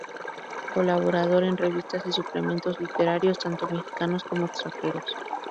Colaborador en revistas y suplementos literarios tanto mexicanos como extranjeros.